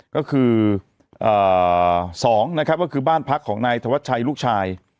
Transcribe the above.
ก็คือ๒นะครับก็คือบ้านพักของนายธวัชชัยลูกชาย